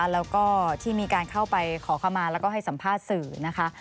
แล้วก็ที่มีการเข้าไปขอเข้ามาแล้วก็ให้สัมภาษณ์สื่อนะคะ